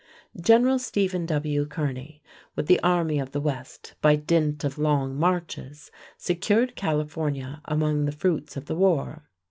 General Stephen W. Kearney, with the Army of the West, by dint of long marches, secured California among the fruits of the war.